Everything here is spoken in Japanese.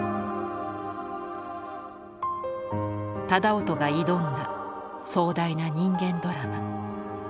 楠音が挑んだ壮大な人間ドラマ。